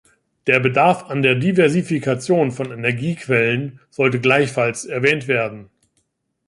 Der Bedarf an der Diversifikation von Energiequellen sollte gleichfalls erwähnt werden.